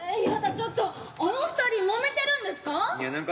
ちょっとあの二人もめてるんですか？